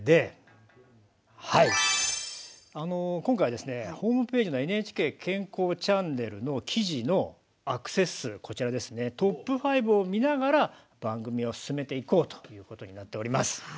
今回はホームページ「ＮＨＫ健康チャンネル」の記事のアクセス数トップ５を見ながら番組を進めていこうとなっております。